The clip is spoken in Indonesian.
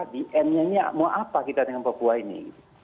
di end nya mau apa kita dengan papua ini